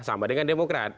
sama dengan demokrat